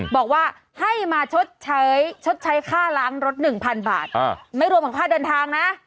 บอกว่าให้มาชดใช้ชดใช้ค่าล้างรถ๑๐๐๐บาทไม่รวมของค่าเดินทางนะ